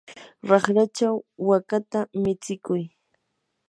raqrachaw wakata michikuy.